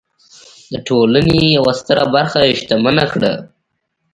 د ټولنې یوه ستره برخه شتمنه کړه.